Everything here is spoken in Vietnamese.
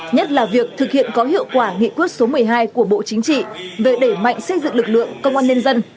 nhất là việc thực hiện có hiệu quả nghị quyết số một mươi hai của bộ chính trị về đẩy mạnh xây dựng lực lượng công an nhân dân